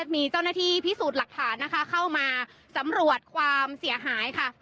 มีเจ้าหน้าที่พิสูจน์หลักฐานนะคะเข้ามาสำรวจความเสียหายค่ะ